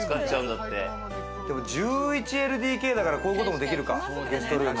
１１ＬＤＫだから、こういうこともできるか。